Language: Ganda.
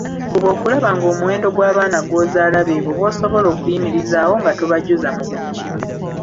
Fuba okulaba ng'omuwendo gw’abaana gw’ozaaala beebo b’osobola okuyimirizaawo nga tobajuza mu buli kimu.